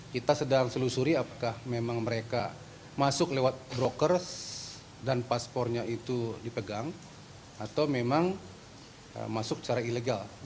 kita sedang selusuri apakah memang mereka masuk lewat broker dan paspornya itu dipegang atau memang masuk secara ilegal